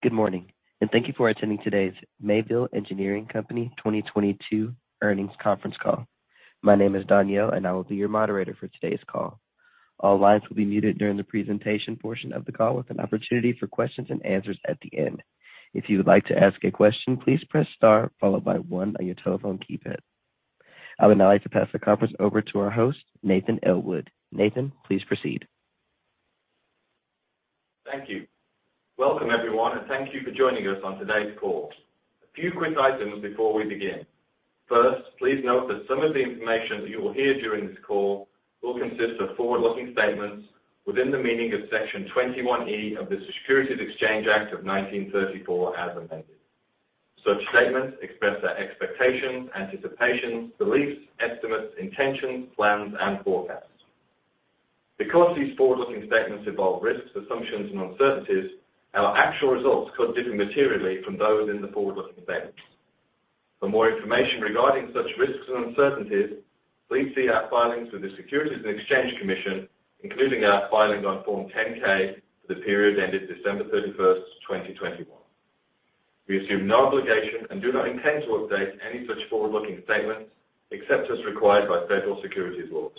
Good morning, and thank you for attending today's Mayville Engineering Company 2022 earnings conference call. My name is Danielle, and I will be your moderator for today's call. All lines will be muted during the presentation portion of the call with an opportunity for questions and answers at the end. If you would like to ask a question, please press star followed by one on your telephone keypad. I would now like to pass the conference over to our host, Nathan Elwell. Nathan, please proceed. Thank you. Welcome, everyone, and thank you for joining us on today's call. A few quick items before we begin. First, please note that some of the information that you will hear during this call will consist of forward-looking statements within the meaning of Section 21E of the Securities Exchange Act of 1934 as amended. Such statements express our expectations, anticipations, beliefs, estimates, intentions, plans, and forecasts. Because these forward-looking statements involve risks, assumptions, and uncertainties, our actual results could differ materially from those in the forward-looking statements. For more information regarding such risks and uncertainties, please see our filings with the Securities and Exchange Commission, including our filing on Form 10-K for the period ended December 31, 2021. We assume no obligation and do not intend to update any such forward-looking statements except as required by federal securities laws.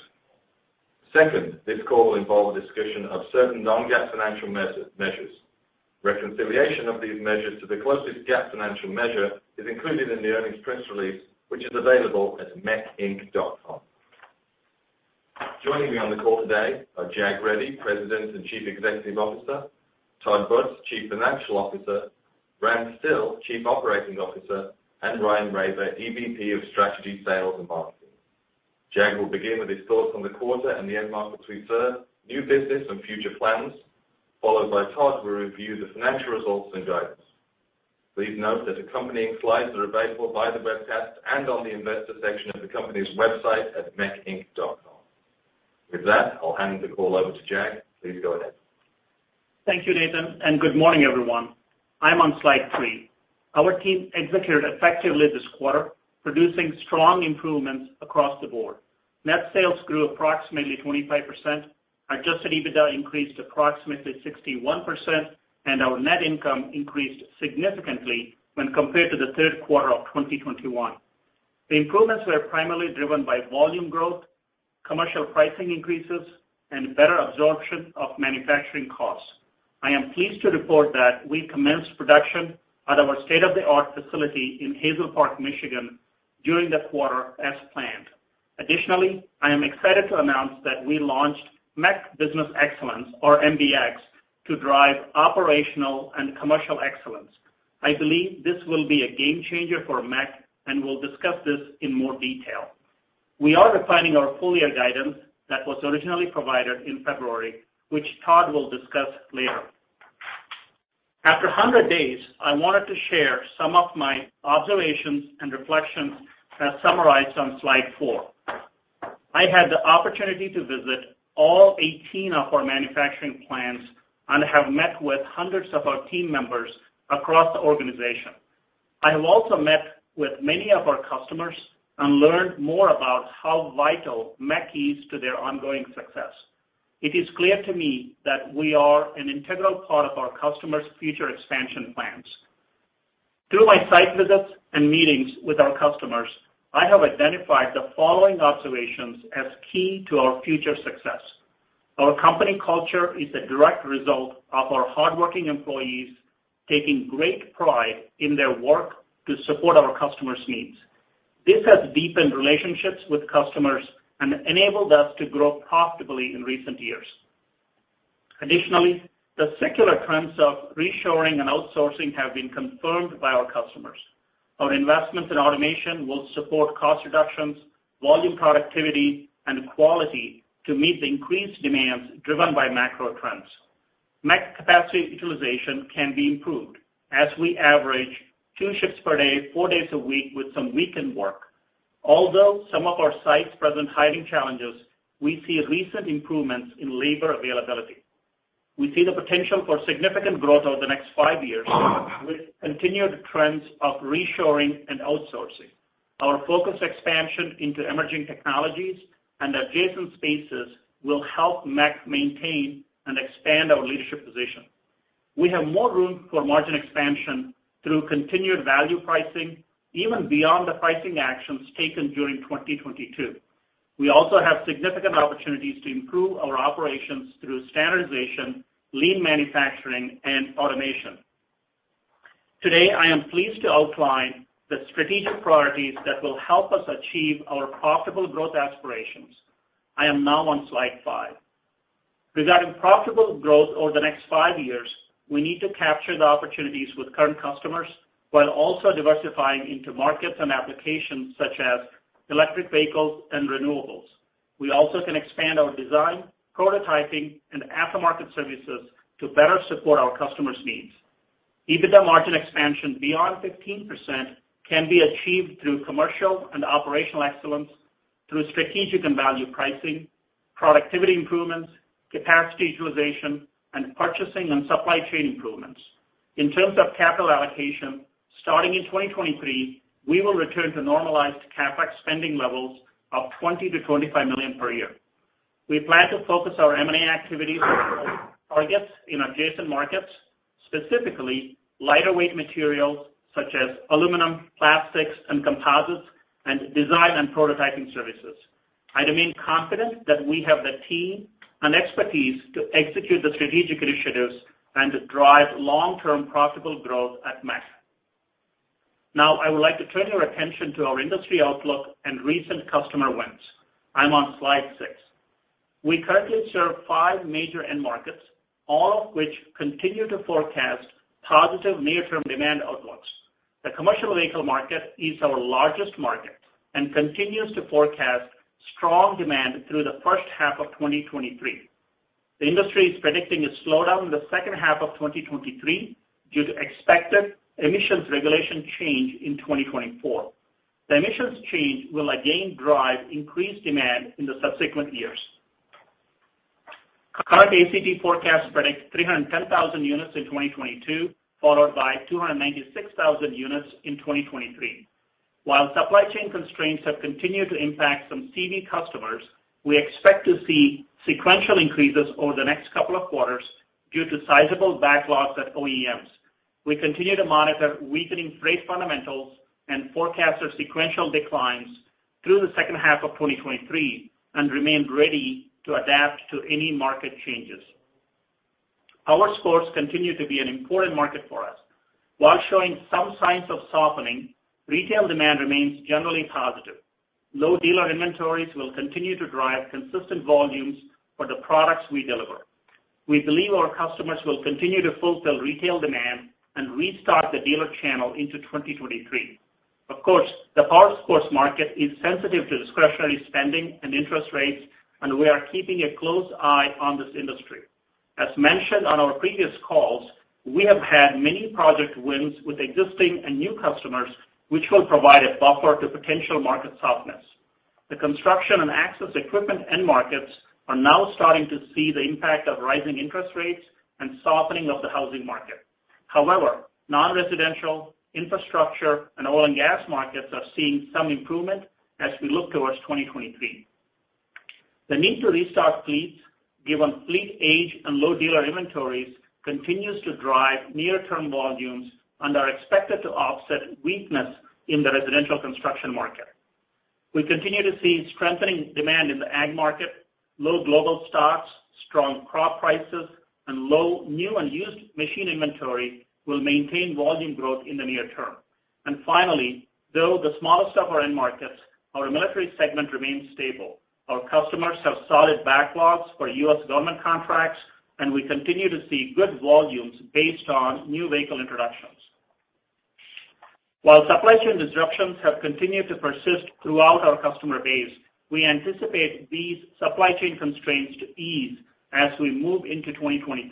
Second, this call will involve a discussion of certain non-GAAP financial measures. Reconciliation of these measures to the closest GAAP financial measure is included in the earnings press release, which is available at mecinc.com. Joining me on the call today are Jag Reddy, President and Chief Executive Officer, Todd Butz, Chief Financial Officer, Rand Stille, Chief Operating Officer, and Ryan Raber, EVP of Strategy, Sales, and Marketing. Jag will begin with his thoughts on the quarter and the end market we serve, new business and future plans, followed by Todd, who will review the financial results and guidance. Please note that accompanying slides are available via the webcast and on the investor section of the company's website at mecinc.com. With that, I'll hand the call over to Jag. Please go ahead. Thank you, Nathan, and good morning, everyone. I'm on Slide 3. Our team executed effectively this quarter, producing strong improvements across the board. Net sales grew approximately 25%, Adjusted EBITDA increased approximately 61%, and our net income increased significantly when compared to the third quarter of 2021. The improvements were primarily driven by volume growth, commercial pricing increases, and better absorption of manufacturing costs. I am pleased to report that we commenced production at our state-of-the-art facility in Hazel Park, Michigan, during the quarter as planned. Additionally, I am excited to announce that we launched MEC Business Excellence or MBX to drive operational and commercial excellence. I believe this will be a game changer for MEC, and we'll discuss this in more detail. We are refining our full year guidance that was originally provided in February, which Todd will discuss later. After 100 days, I wanted to share some of my observations and reflections as summarized on Slide 4. I had the opportunity to visit all 18 of our manufacturing plants and have met with hundreds of our team members across the organization. I have also met with many of our customers and learned more about how vital MEC is to their ongoing success. It is clear to me that we are an integral part of our customers' future expansion plans. Through my site visits and meetings with our customers, I have identified the following observations as key to our future success. Our company culture is a direct result of our hardworking employees taking great pride in their work to support our customers' needs. This has deepened relationships with customers and enabled us to grow profitably in recent years. Additionally, the secular trends of reshoring and outsourcing have been confirmed by our customers. Our investments in automation will support cost reductions, volume productivity, and quality to meet the increased demands driven by macro trends. MEC capacity utilization can be improved as we average two shifts per day, four days a week with some weekend work. Although some of our sites present hiring challenges, we see recent improvements in labor availability. We see the potential for significant growth over the next five years with continued trends of reshoring and outsourcing. Our focused expansion into emerging technologies and adjacent spaces will help MEC maintain and expand our leadership position. We have more room for margin expansion through continued value pricing, even beyond the pricing actions taken during 2022. We also have significant opportunities to improve our operations through standardization, lean manufacturing, and automation. Today, I am pleased to outline the strategic priorities that will help us achieve our profitable growth aspirations. I am now on Slide 5. Regarding profitable growth over the next five years, we need to capture the opportunities with current customers while also diversifying into markets and applications such as electric vehicles and renewables. We also can expand our design, prototyping, and aftermarket services to better support our customers' needs. EBITDA margin expansion beyond 15% can be achieved through commercial and operational excellence through strategic and value pricing, productivity improvements, capacity utilization, and purchasing and supply chain improvements. In terms of capital allocation, starting in 2023, we will return to normalized CapEx spending levels of $20 million-$25 million per year. We plan to focus our M&A activities on targets in adjacent markets, specifically lighter weight materials such as aluminum, plastics, and composites, and design and prototyping services. I remain confident that we have the team and expertise to execute the strategic initiatives and drive long-term profitable growth at MEC. Now, I would like to turn your attention to our industry outlook and recent customer wins. I'm on Slide 6. We currently serve five major end markets, all of which continue to forecast positive near-term demand outlooks. The commercial vehicle market is our largest market and continues to forecast strong demand through the first half of 2023. The industry is predicting a slowdown in the second half of 2023 due to expected emissions regulation change in 2024. The emissions change will again drive increased demand in the subsequent years. Current ACT forecasts predict 310,000 units in 2022, followed by 296,000 units in 2023. While supply chain constraints have continued to impact some CV customers, we expect to see sequential increases over the next couple of quarters due to sizable backlogs at OEMs. We continue to monitor weakening freight fundamentals and forecast of sequential declines through the second half of 2023 and remain ready to adapt to any market changes. Powersports continue to be an important market for us. While showing some signs of softening, retail demand remains generally positive. Low dealer inventories will continue to drive consistent volumes for the products we deliver. We believe our customers will continue to fulfill retail demand and restart the dealer channel into 2023. Of course, the Powersports market is sensitive to discretionary spending and interest rates, and we are keeping a close eye on this industry. As mentioned on our previous calls, we have had many project wins with existing and new customers, which will provide a buffer to potential market softness. The construction and access equipment end markets are now starting to see the impact of rising interest rates and softening of the housing market. However, non-residential, infrastructure, and oil and gas markets are seeing some improvement as we look towards 2023. The need to restart fleets, given fleet age and low dealer inventories, continues to drive near-term volumes and are expected to offset weakness in the residential construction market. We continue to see strengthening demand in the ag market. Low global stocks, strong crop prices, and low new and used machine inventory will maintain volume growth in the near term. Finally, though the smallest of our end markets, our military segment remains stable. Our customers have solid backlogs for U.S. government contracts, and we continue to see good volumes based on new vehicle introductions. While supply chain disruptions have continued to persist throughout our customer base, we anticipate these supply chain constraints to ease as we move into 2023.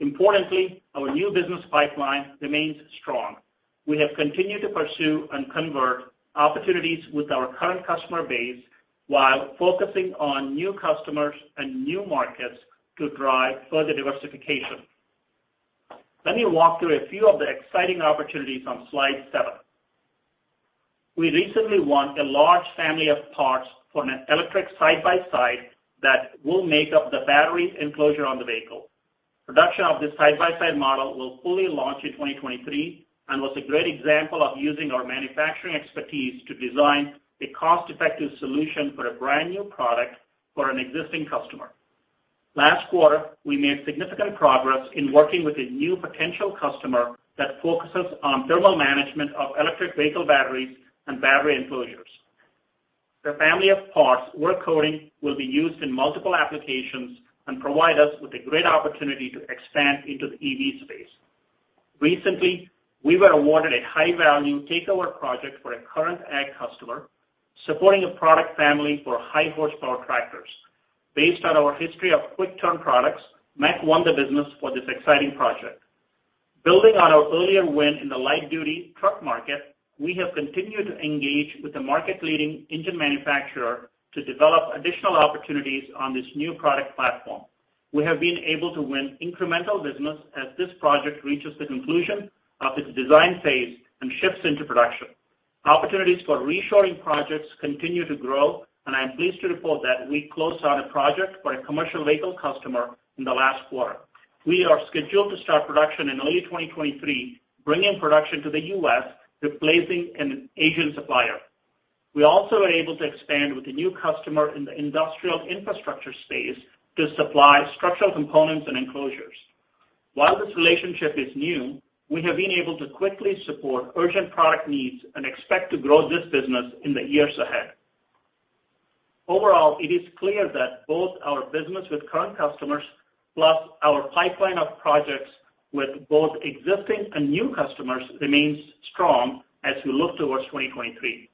Importantly, our new business pipeline remains strong. We have continued to pursue and convert opportunities with our current customer base while focusing on new customers and new markets to drive further diversification. Let me walk through a few of the exciting opportunities on Slide 7. We recently won a large family of parts for an electric side-by-side that will make up the battery enclosure on the vehicle. Production of this side-by-side model will fully launch in 2023 and was a great example of using our manufacturing expertise to design a cost-effective solution for a brand new product for an existing customer. Last quarter, we made significant progress in working with a new potential customer that focuses on thermal management of electric vehicle batteries and battery enclosures. The family of parts we're coding will be used in multiple applications and provide us with a great opportunity to expand into the EV space. Recently, we were awarded a high-value takeover project for a current ag customer, supporting a product family for high horsepower tractors. Based on our history of quick turn products, MEC won the business for this exciting project. Building on our earlier win in the light duty truck market, we have continued to engage with the market leading engine manufacturer to develop additional opportunities on this new product platform. We have been able to win incremental business as this project reaches the conclusion of its design phase and shifts into production. Opportunities for reshoring projects continue to grow, and I am pleased to report that we closed on a project for a commercial vehicle customer in the last quarter. We are scheduled to start production in early 2023, bringing production to the U.S., replacing an Asian supplier. We also are able to expand with a new customer in the industrial infrastructure space to supply structural components and enclosures. While this relationship is new, we have been able to quickly support urgent product needs and expect to grow this business in the years ahead. Overall, it is clear that both our business with current customers plus our pipeline of projects with both existing and new customers remains strong as we look towards 2023.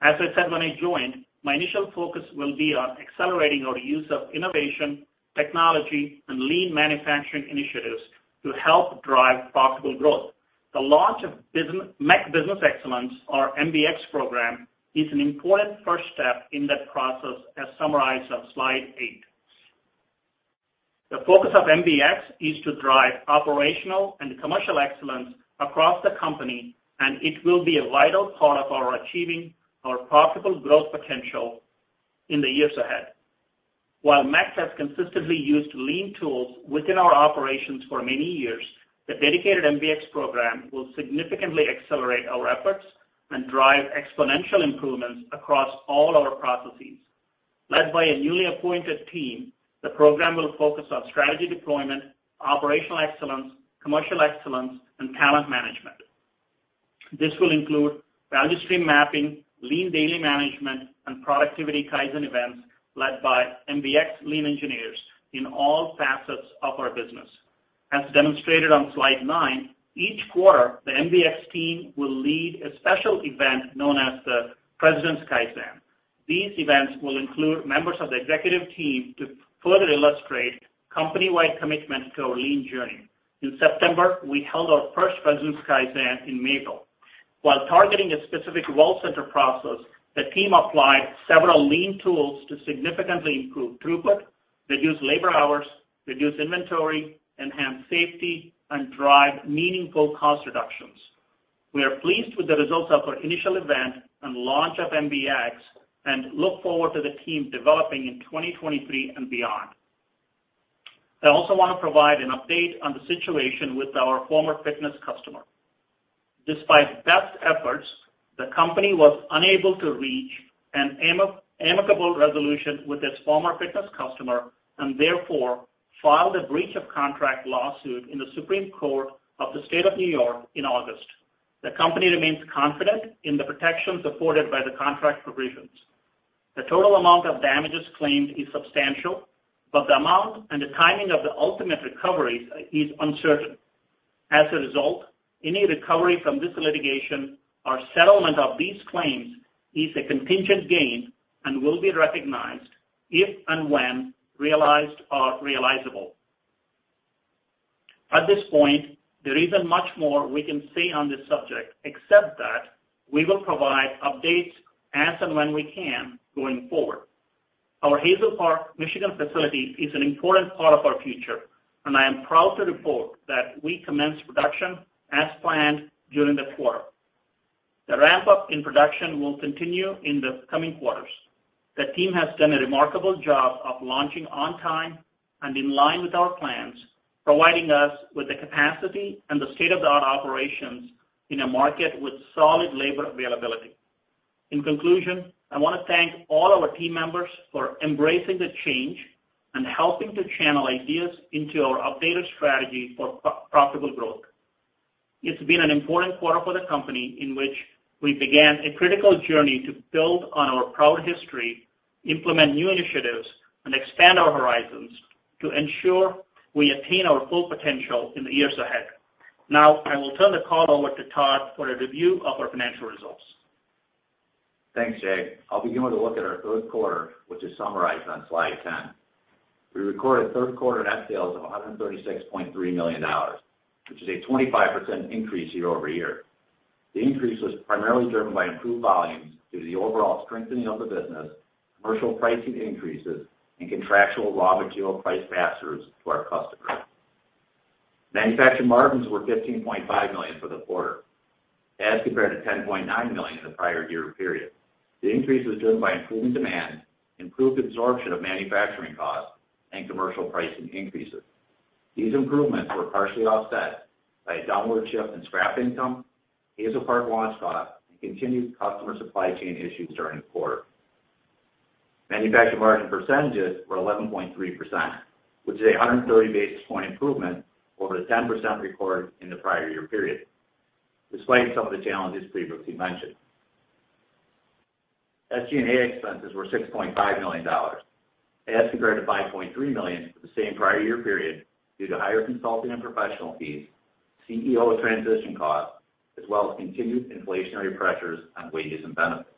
As I said when I joined, my initial focus will be on accelerating our use of innovation, technology, and lean manufacturing initiatives to help drive profitable growth. The launch of Mayville Business Excellence, our MBX program, is an important first step in that process, as summarized on Slide 8. The focus of MBX is to drive operational and commercial excellence across the company, and it will be a vital part of achieving our profitable growth potential in the years ahead. While MEC has consistently used lean tools within our operations for many years, the dedicated MBX program will significantly accelerate our efforts and drive exponential improvements across all our processes. Led by a newly appointed team, the program will focus on strategy deployment, operational excellence, commercial excellence, and talent management. This will include value stream mapping, lean daily management, and productivity Kaizen events led by MBX lean engineers in all facets of our business. As demonstrated on Slide 9, each quarter, the MBX team will lead a special event known as the President's Kaizen. These events will include members of the executive team to further illustrate company-wide commitment to our lean journey. In September, we held our first President's Kaizen in Mayville. While targeting a specific call center process, the team applied several lean tools to significantly improve throughput, reduce labor hours, reduce inventory, enhance safety, and drive meaningful cost reductions. We are pleased with the results of our initial event and launch of MBX, and look forward to the team developing in 2023 and beyond. I also want to provide an update on the situation with our former fitness customer. Despite best efforts, the company was unable to reach an amicable resolution with its former fitness customer, and therefore filed a breach of contract lawsuit in the Supreme Court of the State of New York in August. The company remains confident in the protections afforded by the contract provisions. The total amount of damages claimed is substantial, but the amount and the timing of the ultimate recoveries is uncertain. As a result, any recovery from this litigation or settlement of these claims is a contingent gain and will be recognized if and when realized or realizable. At this point, there isn't much more we can say on this subject except that we will provide updates as and when we can going forward. Our Hazel Park, Michigan facility is an important part of our future, and I am proud to report that we commenced production as planned during the quarter. The ramp-up in production will continue in the coming quarters. The team has done a remarkable job of launching on time and in line with our plans, providing us with the capacity and the state-of-the-art operations in a market with solid labor availability. In conclusion, I want to thank all our team members for embracing the change and helping to channel ideas into our updated strategy for profitable growth. It's been an important quarter for the company in which we began a critical journey to build on our proud history, implement new initiatives, and expand our horizons to ensure we attain our full potential in the years ahead. Now, I will turn the call over to Todd for a review of our financial results. Thanks, Jag. I'll begin with a look at our third quarter, which is summarized on Slide 10. We recorded third quarter net sales of $136.3 million, which is a 25% increase year-over-year. The increase was primarily driven by improved volumes due to the overall strengthening of the business, commercial pricing increases, and contractual raw material price pass-throughs to our customers. Manufacturing margins were $15.5 million for the quarter as compared to $10.9 million in the prior year period. The increase was driven by improving demand, improved absorption of manufacturing costs, and commercial pricing increases. These improvements were partially offset by a downward shift in scrap income, Hazel Park launch costs, and continued customer supply chain issues during the quarter. Manufacturing margin percentages were 11.3%, which is a 130 basis point improvement over the 10% recorded in the prior year period, despite some of the challenges previously mentioned. SG&A expenses were $6.5 million as compared to $5.3 million for the same prior year period due to higher consulting and professional fees, CEO transition costs, as well as continued inflationary pressures on wages and benefits.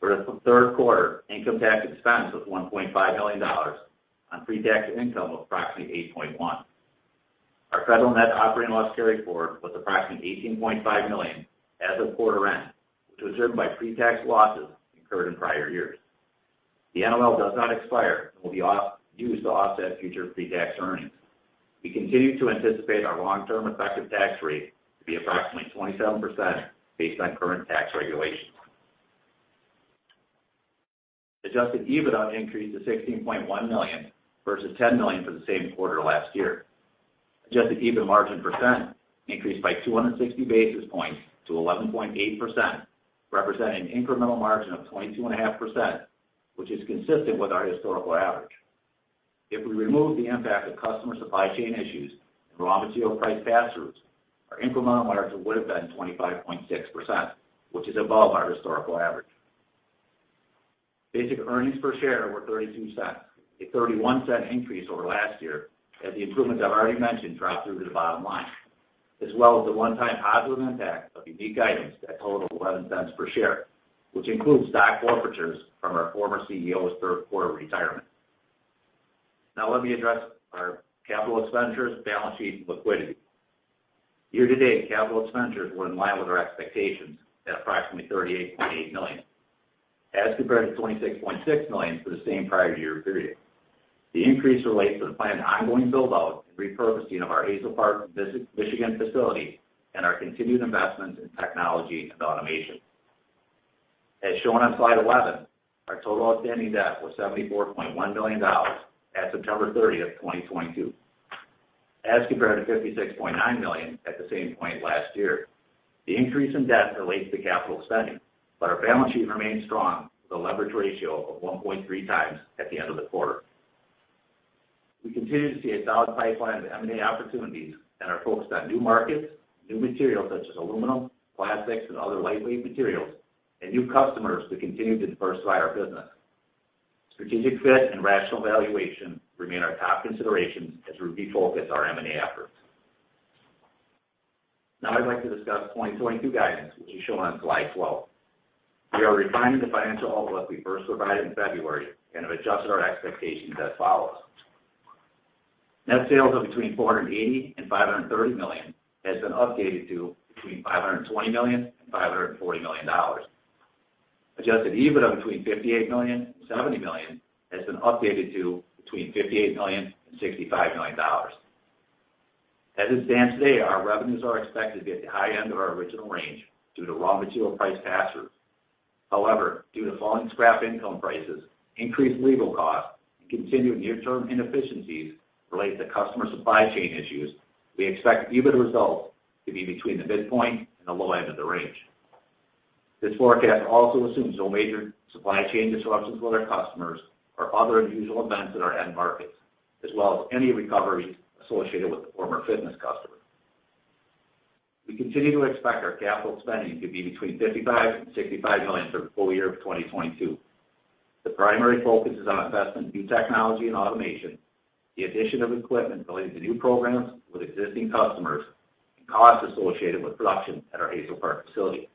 For the third quarter, income tax expense was $1.5 million on pre-tax income of approximately $8.1 million. Our federal net operating loss carryforward was approximately $18.5 million as of quarter end, which was driven by pre-tax losses incurred in prior years. The NOL does not expire and will be used to offset future pre-tax earnings. We continue to anticipate our long-term effective tax rate to be approximately 27% based on current tax regulations. Adjusted EBITDA increased to $16.1 million versus $10 million for the same quarter last year. Adjusted EBIT margin percent increased by 260 basis points to 11.8%, representing incremental margin of 22.5%, which is consistent with our historical average. If we remove the impact of customer supply chain issues and raw material price pass-throughs, our incremental margin would have been 25.6%, which is above our historical average. Basic earnings per share were $0.32, a $0.31 increase over last year as the improvements I've already mentioned dropped through to the bottom line, as well as a one-time positive impact of unique items that totaled $0.11 per share, which includes stock forfeitures from our former CEO's third quarter retirement. Now let me address our capital expenditures, balance sheet, and liquidity. Year-to-date capital expenditures were in line with our expectations at approximately $38.8 million, as compared to $26.6 million for the same prior year period. The increase relates to the planned ongoing build-out and repurposing of our Hazel Park, Michigan facility and our continued investments in technology and automation. As shown on slide 11, our total outstanding debt was $74.1 million at September thirtieth, 2022, as compared to $56.9 million at the same point last year. The increase in debt relates to capital spending, but our balance sheet remains strong, with a leverage ratio of 1.3x at the end of the quarter. We continue to see a solid pipeline of M&A opportunities and are focused on new markets, new materials such as aluminum, plastics, and other lightweight materials, and new customers to continue to diversify our business. Strategic fit and rational valuation remain our top considerations as we refocus our M&A efforts. Now, I'd like to discuss 2022 guidance, which is shown on Slide 12. We are refining the financial outlook we first provided in February and have adjusted our expectations as follows: Net sales of between $480 million and $530 million has been updated to between $520 million and $540 million. Adjusted EBITDA of between $58 million and $70 million has been updated to between $58 million and $65 million. As it stands today, our revenues are expected to be at the high end of our original range due to raw material price pass-throughs. However, due to falling scrap income prices, increased legal costs, and continued near-term inefficiencies related to customer supply chain issues, we expect EBITDA results to be between the midpoint and the low end of the range. This forecast also assumes no major supply chain disruptions with our customers or other unusual events in our end markets, as well as any recoveries associated with the former fitness customer. We continue to expect our capital spending to be between $55 million and $65 million for the full year of 2022. The primary focus is on investment in new technology and automation, the addition of equipment related to new programs with existing customers, and costs associated with production at our Hazel Park facility.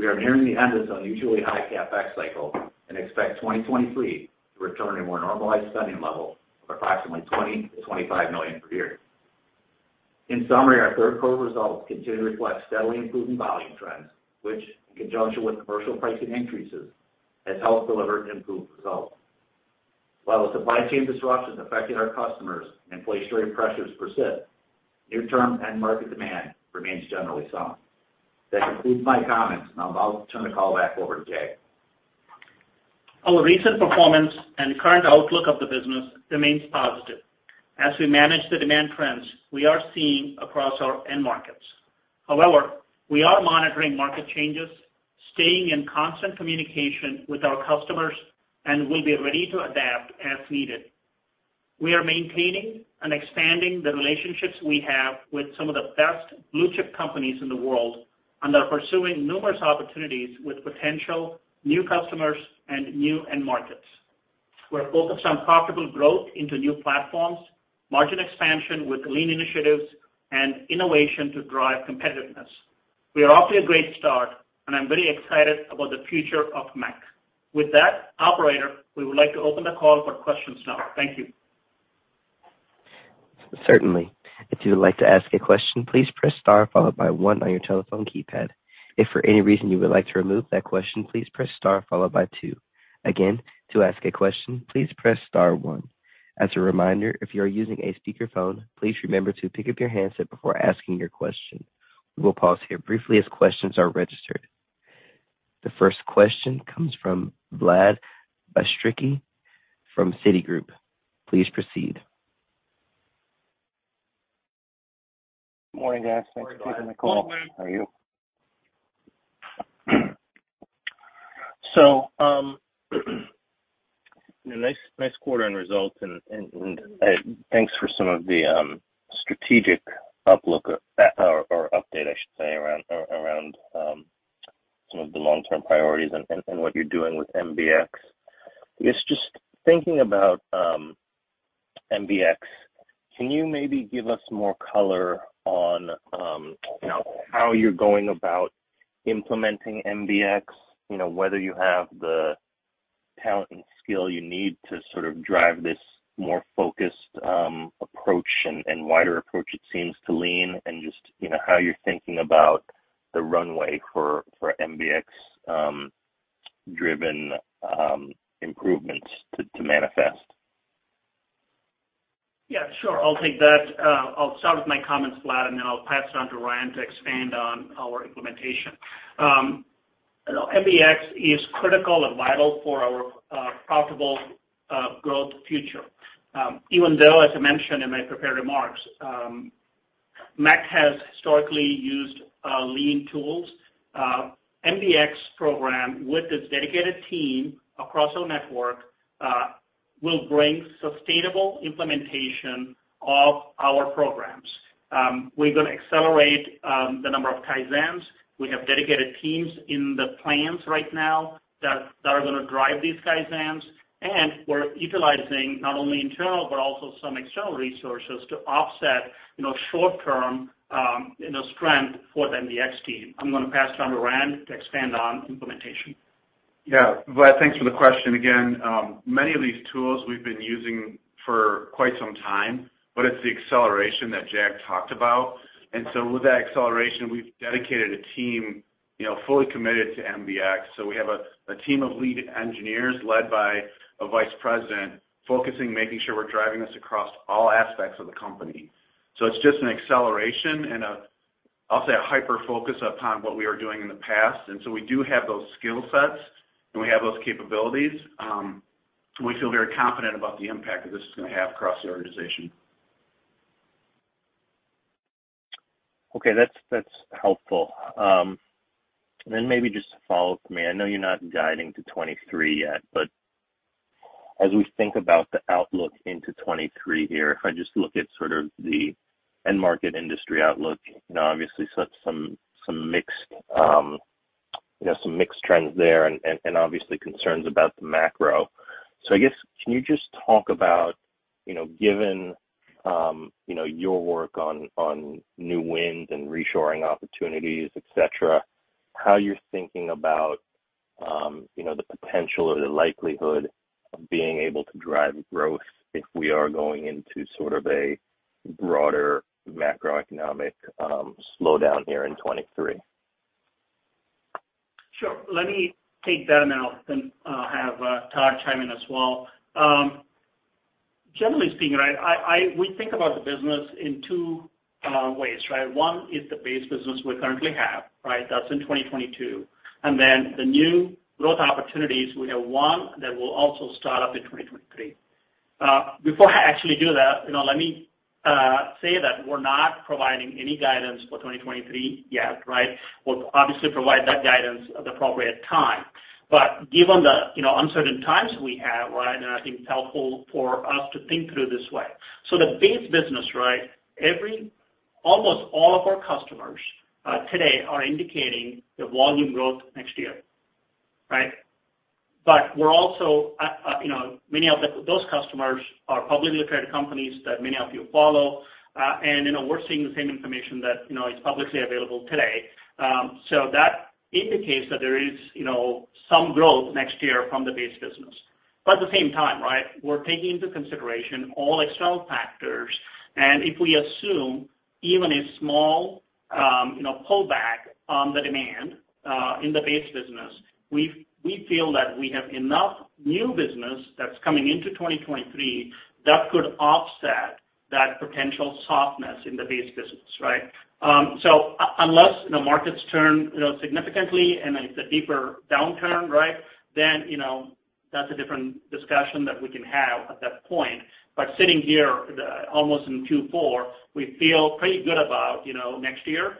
We are nearing the end of this unusually high CapEx cycle and expect 2023 to return to more normalized spending level of approximately $20 million-$25 million per year. In summary, our third quarter results continue to reflect steadily improving volume trends, which in conjunction with commercial pricing increases, has helped deliver improved results. While supply chain disruptions affecting our customers and inflationary pressures persist, near-term end market demand remains generally solid. That concludes my comments, and I'll turn the call back over to Jag. Our recent performance and current outlook of the business remains positive as we manage the demand trends we are seeing across our end markets. However, we are monitoring market changes, staying in constant communication with our customers, and will be ready to adapt as needed. We are maintaining and expanding the relationships we have with some of the best blue-chip companies in the world and are pursuing numerous opportunities with potential new customers and new end markets. We're focused on profitable growth into new platforms, margin expansion with lean initiatives, and innovation to drive competitiveness. We are off to a great start, and I'm very excited about the future of MEC. With that, operator, we would like to open the call for questions now. Thank you. Certainly. If you would like to ask a question, please press star followed by one on your telephone keypad. If for any reason you would like to remove that question, please press star followed by two. Again, to ask a question, please press star one. As a reminder, if you are using a speakerphone, please remember to pick up your handset before asking your question. We will pause here briefly as questions are registered. The first question comes from Vladimir Bystricky from Citigroup. Please proceed. Good morning, guys. Morning, Vlad. Morning. Thanks for taking the call. How are you? Nice quarter on results, and thanks for some of the strategic outlook or update, I should say, around some of the long-term priorities and what you're doing with MBX. I guess just thinking about MBX, can you maybe give us more color on you know, how you're going about implementing MBX? You know, whether you have the talent and skill you need to sort of drive this more focused approach and wider approach it seems to lean, and just you know, how you're thinking about the runway for MBX driven improvements to manifest? Yeah, sure. I'll take that. I'll start with my comments, Vlad, and then I'll pass it on to Rand to expand on our implementation. You know, MBX is critical and vital for our profitable growth future. Even though, as I mentioned in my prepared remarks, MEC has historically used lean tools, MBX program with its dedicated team across our network will bring sustainable implementation of our programs. We're gonna accelerate the number of Kaizens. We have dedicated teams in the plants right now that are gonna drive these Kaizens, and we're utilizing not only internal, but also some external resources to offset, you know, short-term strength for the MBX team. I'm gonna pass it on to Rand to expand on implementation. Yeah. Vlad, thanks for the question again. Many of these tools we've been using for quite some time, but it's the acceleration that Jag talked about. With that acceleration, we've dedicated a team, you know, fully committed to MBX. We have a team of lead engineers led by a vice president focusing, making sure we're driving this across all aspects of the company. It's just an acceleration and, I'll say, a hyper focus upon what we were doing in the past. We do have those skill sets, and we have those capabilities. We feel very confident about the impact that this is gonna have across the organization. Okay. That's helpful. Then maybe just to follow up with me, I know you're not guiding to 2023 yet, but as we think about the outlook into 2023 here, if I just look at sort of the end market industry outlook, you know, obviously set some mixed trends there and obviously concerns about the macro. I guess, can you just talk about, you know, given your work on new wins and reshoring opportunities, etc, how you're thinking about the potential or the likelihood of being able to drive growth if we are going into sort of a broader macroeconomic slowdown here in 2023? Sure. Let me take that, and then I'll have Todd chime in as well. Generally speaking, right, we think about the business in two ways, right? One is the base business we currently have, right? That's in 2022. The new growth opportunities, we have one that will also start up in 2023. Before I actually do that, you know, let me say that we're not providing any guidance for 2023 yet, right? We'll obviously provide that guidance at the appropriate time. Given the you know, uncertain times we have, right, I think it's helpful for us to think through this way. The base business, right, almost all of our customers today are indicating the volume growth next year, right? We're also, you know, many of those customers are publicly traded companies that many of you follow. You know, we're seeing the same information that, you know, is publicly available today. That indicates that there is, you know, some growth next year from the base business. At the same time, right, we're taking into consideration all external factors. If we assume even a small, you know, pullback on the demand, in the base business, we feel that we have enough new business that's coming into 2023 that could offset that potential softness in the base business, right? Unless the markets turn, you know, significantly and it's a deeper downturn, right, then, you know, that's a different discussion that we can have at that point. Sitting here almost in Q4, we feel pretty good about, you know, next year.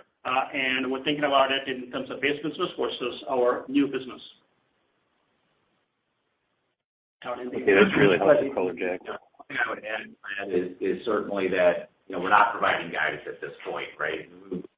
We're thinking about it in terms of base business versus our new business. Okay. That's really helpful, Jag. One thing I would add, Vlad, is certainly that, you know, we're not providing guidance at this point, right?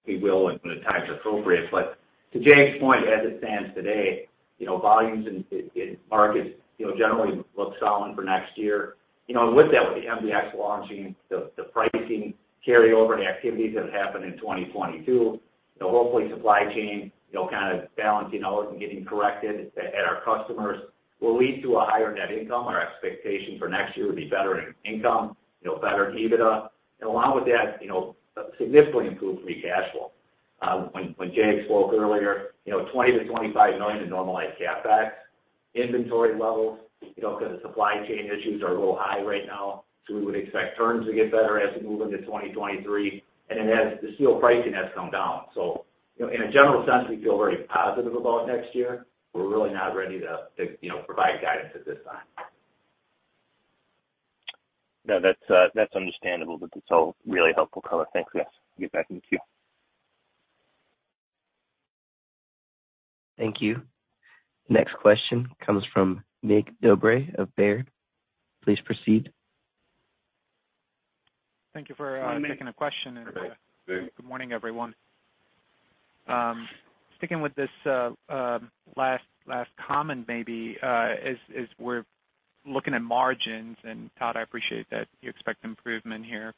We will when the time's appropriate. To Jag's point, as it stands today, you know, volumes in markets, you know, generally look solid for next year. You know, and with that, with the MBX launching, the pricing carryover and activities that happened in 2022, you know, hopefully supply chain, you know, kind of balancing out and getting corrected at our customers will lead to a higher net income. Our expectation for next year would be better in income, you know, better EBITDA. And along with that, you know, a significantly improved free cash flow. When Jag spoke earlier, you know, $20 million-$25 million in normalized CapEx, inventory levels, you know, 'cause the supply chain issues are a little high right now. We would expect turns to get better as we move into 2023. Then as the steel pricing has come down. You know, in a general sense, we feel very positive about next year. We're really not ready to, you know, provide guidance at this time. No, that's understandable. That's all really helpful color. Thanks. Yes, get back in the queue. Thank you. Next question comes from Mig Dobre of Baird. Please proceed. Thank you for. One minute. Taking a question. Baird. Good morning, everyone. Sticking with this last comment maybe, as we're looking at margins, and Todd, I appreciate that you expect improvement here.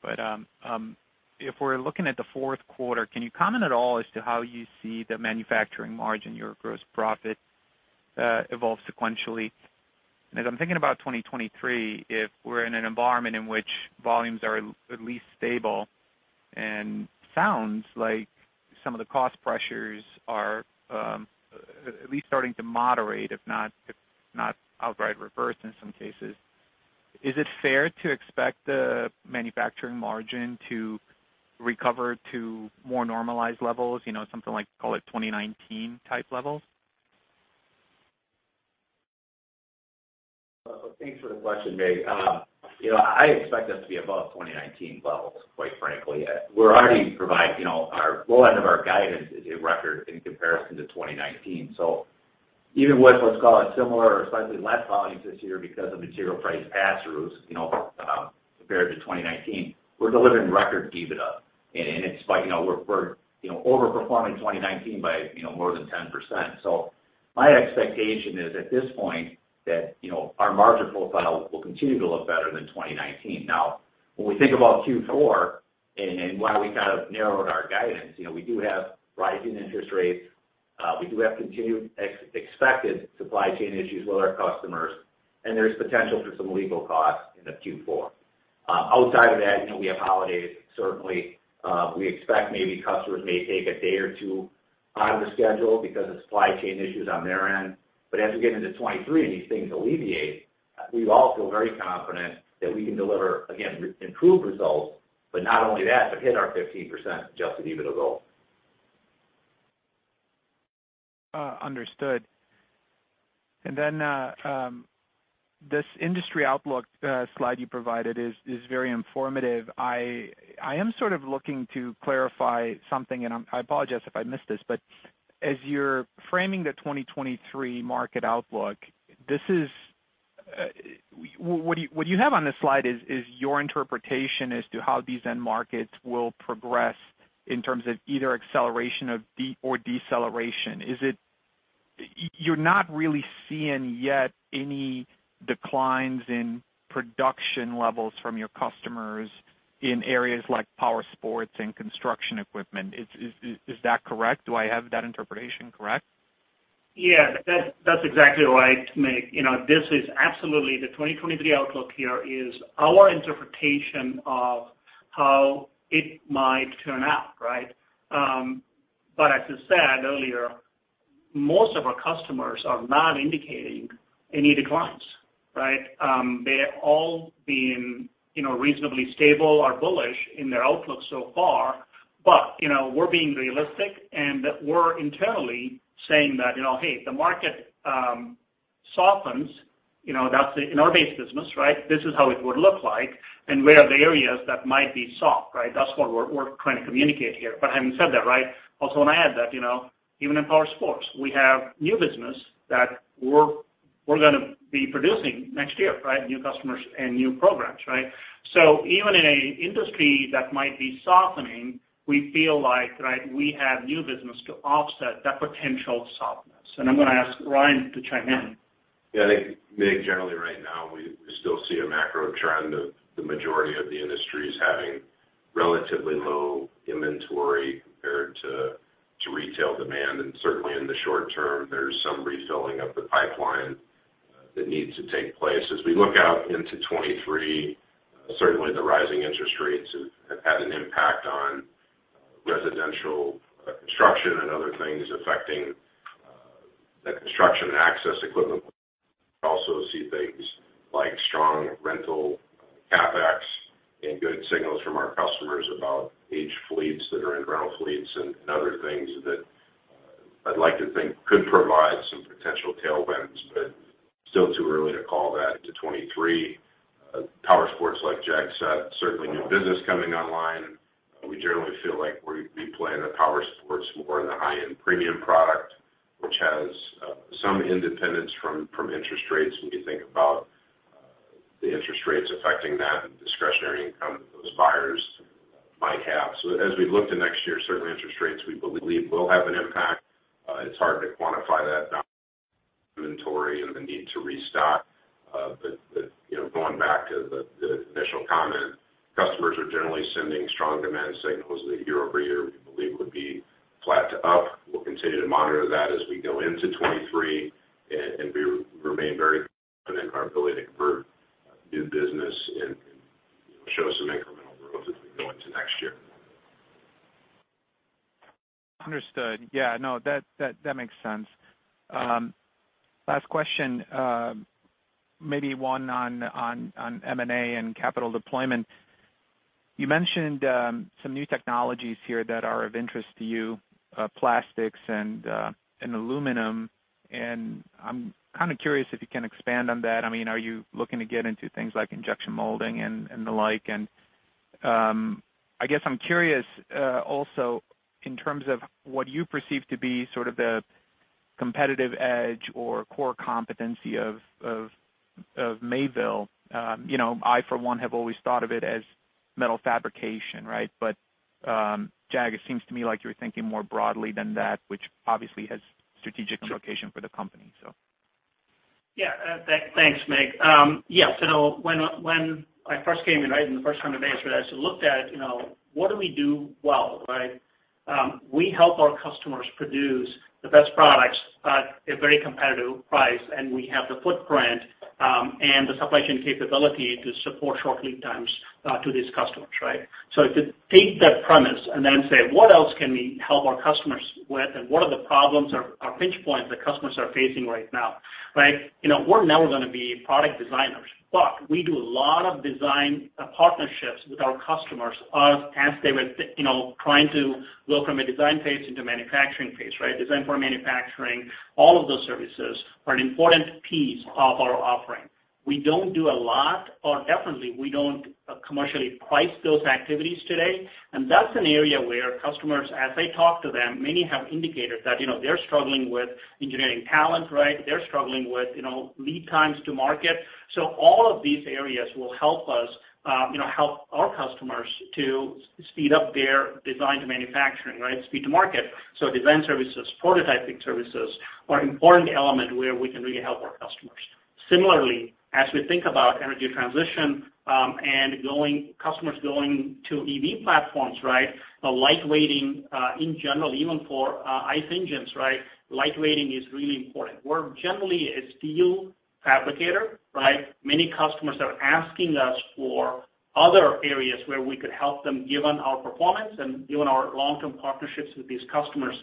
If we're looking at the fourth quarter, can you comment at all as to how you see the manufacturing margin, your gross profit, evolve sequentially? As I'm thinking about 2023, if we're in an environment in which volumes are at least stable, and sounds like some of the cost pressures are at least starting to moderate, if not outright reverse in some cases. Is it fair to expect the manufacturing margin to recover to more normalized levels, you know, something like, call it 2019 type levels? Thanks for the question, Mig. You know, I expect us to be above 2019 levels, quite frankly. We're already providing, you know, our low end of our guidance is a record in comparison to 2019. Even with, let's call it, similar or slightly less volumes this year because of material price pass-throughs, you know, compared to 2019, we're delivering record EBITDA. It's by, you know, we're, you know, overperforming 2019 by, you know, more than 10%. My expectation is, at this point, that, you know, our margin profile will continue to look better than 2019. Now, when we think about Q4. While we kind of narrowed our guidance, you know, we do have rising interest rates, we do have continued expected supply chain issues with our customers, and there's potential for some legal costs into Q4. Outside of that, you know, we have holidays. Certainly, we expect maybe customers may take a day or two out of the schedule because of supply chain issues on their end. As we get into 2023 and these things alleviate, we all feel very confident that we can deliver, again, improved results, but not only that, but hit our 15% Adjusted EBITDA goal. Understood. This industry outlook slide you provided is very informative. I am sort of looking to clarify something, and I apologize if I missed this. As you're framing the 2023 market outlook, this is what you have on this slide is your interpretation as to how these end markets will progress in terms of either acceleration or deceleration. You're not really seeing yet any declines in production levels from your customers in areas like powersports and construction equipment. Is that correct? Do I have that interpretation correct? Yeah. That's exactly right, Mig. You know, this is absolutely the 2023 outlook. Here is our interpretation of how it might turn out, right? As I said earlier, most of our customers are not indicating any declines, right? They're all being, you know, reasonably stable or bullish in their outlook so far. You know, we're being realistic, and we're internally saying that, you know, "Hey, the market softens," you know, that's in our base business, right? This is how it would look like and where are the areas that might be soft, right? That's what we're trying to communicate here. Having said that, right, also wanna add that, you know, even in powersports, we have new business that we're gonna be producing next year, right? New customers and new programs, right? Even in an industry that might be softening, we feel like, right, we have new business to offset that potential softness. I'm gonna ask Ryan to chime in. Yeah. I think, Mig, generally right now, we still see a macro trend of the majority of the industries having relatively low inventory compared to retail demand. Certainly in the short term, there's some refilling of the pipeline that needs to take place. As we look out into 2023, certainly the rising interest rates have had an impact on residential construction and other things affecting the construction and access equipment. Also see things like strong rental CapEx and good signals from our customers about age fleets that are in rental fleets and other things that I'd like to think could provide some potential tailwinds. Still too early to call that into 2023. Powersports, like Jag said, certainly new business coming online, and we generally feel like we play in the powersports more in the high-end premium product, which has some independence from interest rates when you think about the interest rates affecting that discretionary income those buyers might have. As we look to next year, certainly interest rates we believe will have an impact. It's hard to quantify that inventory and the need to restock. You know, going back to the initial comment, customers are generally sending strong demand signals that year-over-year we believe would be flat to up. We'll continue to monitor that as we go into 2023 and remain very confident in our ability to convert new business and show some incremental growth as we go into next year. Understood. Yeah. No. That makes sense. Last question, maybe one on M&A and capital deployment. You mentioned some new technologies here that are of interest to you, plastics and aluminum, and I'm kinda curious if you can expand on that. I mean, are you looking to get into things like injection molding and the like? I guess I'm curious also in terms of what you perceive to be sort of the competitive edge or core competency of Mayville. You know, I, for one, have always thought of it as metal fabrication, right? But, Jag, it seems to me like you're thinking more broadly than that, which obviously has strategic implication for the company, so. Yeah. Thanks, Mig. Yeah. When I first came in, right, and the first time I asked for that, I looked at, you know, what do we do well, right? We help our customers produce the best products at a very competitive price, and we have the footprint and the supply chain capability to support short lead times to these customers, right? To take that premise and then say, "What else can we help our customers with, and what are the problems or pinch points that customers are facing right now," right? You know, we're never gonna be product designers, but we do a lot of design partnerships with our customers as they were, you know, trying to go from a design phase into manufacturing phase, right? Design for manufacturing, all of those services are an important piece of our offering. We don't do a lot or definitely we don't commercially price those activities today. That's an area where customers, as I talk to them, many have indicated that, you know, they're struggling with engineering talent, right? They're struggling with, you know, lead times to market. All of these areas will help us, you know, help our customers to speed up their design to manufacturing, right, speed to market. Design services, prototyping services are important element where we can really help our customers. Similarly, as we think about energy transition, and customers going to EV platforms, right? The light weighting, in general, even for, ICE engines, right? Light weighting is really important. We're generally a steel fabricator, right? Many customers are asking us for other areas where we could help them, given our performance and given our long-term partnerships with these customers.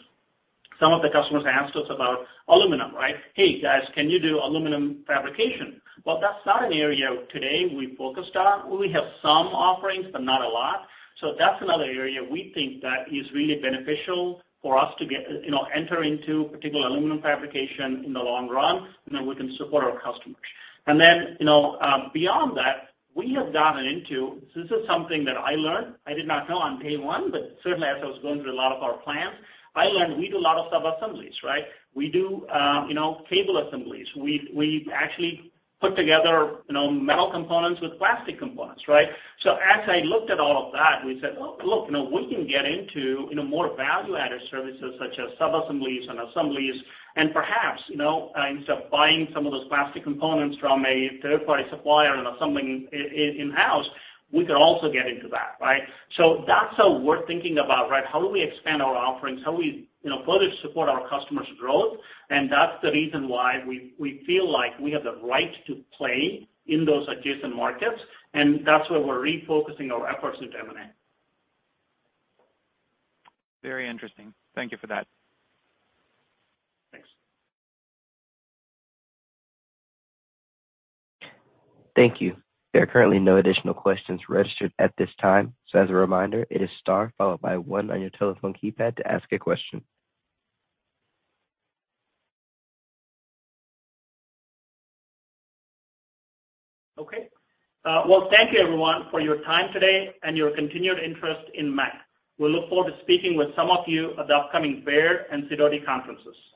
Some of the customers asked us about aluminum, right? "Hey, guys, can you do aluminum fabrication?" Well, that's not an area today we focused on. We have some offerings, but not a lot. So that's another area we think that is really beneficial for us to get, you know, enter into particular aluminum fabrication in the long run, and then we can support our customers. You know, beyond that, this is something that I learned, I did not know on day one, but certainly as I was going through a lot of our plants, I learned we do a lot of sub-assemblies, right? We do, you know, cable assemblies. We've actually put together, you know, metal components with plastic components, right? As I looked at all of that, we said, "Oh, look, you know, we can get into, you know, more value-added services such as sub-assemblies and assemblies. Perhaps, you know, instead of buying some of those plastic components from a third-party supplier and assembling in-house, we could also get into that, right?" That's how we're thinking about, right? How do we expand our offerings? How we, you know, further support our customers' growth? That's the reason why we feel like we have the right to play in those adjacent markets, and that's where we're refocusing our efforts with M&A. Very interesting. Thank you for that. Thanks. Thank you. There are currently no additional questions registered at this time. As a reminder, it is star followed by one on your telephone keypad to ask a question. Okay. Well, thank you everyone for your time today and your continued interest in MEC. We look forward to speaking with some of you at the upcoming Baird and Sidoti conferences.